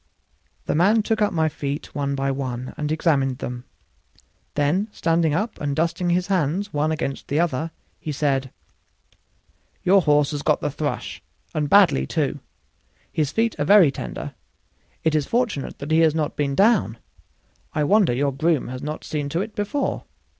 The man took up my feet one by one and examined them; then standing up and dusting his hands one against the other, he said: "Your horse has got the 'thrush', and badly, too; his feet are very tender; it is fortunate that he has not been down. I wonder your groom has not seen to it before.